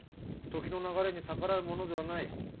時の流れに逆らうものではない。